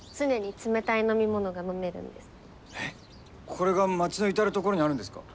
えっこれが街の至る所にあるんですか？